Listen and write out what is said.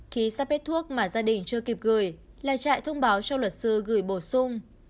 khi sắp hết thuốc mà gia đình chưa kịp gửi là chạy thông báo cho luật sư gửi bổ sung